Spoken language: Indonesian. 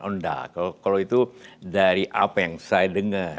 oh enggak kalau itu dari apa yang saya dengar